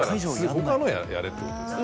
他のをやれってことですね。